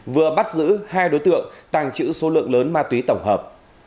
vừa bắt giữ hai đối tượng tàng trữ số lượng lớn ma túy tổng hợp